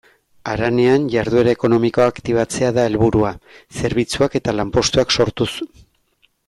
Haranean jarduera ekonomikoa aktibatzea da helburua, zerbitzuak eta lanpostuak sortuz.